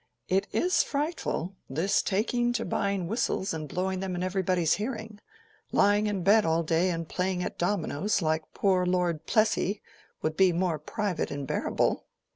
"It is frightful—this taking to buying whistles and blowing them in everybody's hearing. Lying in bed all day and playing at dominoes, like poor Lord Plessy, would be more private and bearable."